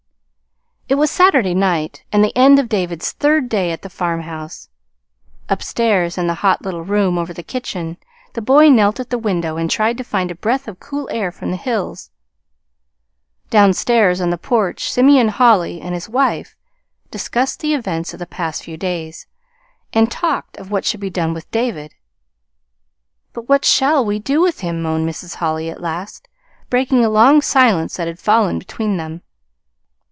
It was Saturday night, and the end of David's third day at the farmhouse. Upstairs, in the hot little room over the kitchen, the boy knelt at the window and tried to find a breath of cool air from the hills. Downstairs on the porch Simeon Holly and his wife discussed the events of the past few days, and talked of what should be done with David. "But what shall we do with him?" moaned Mrs. Holly at last, breaking a long silence that had fallen between them.